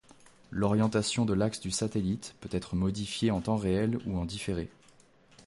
L'orientation de l'axe du satellite peut être modifiée en temps réel ou en différé.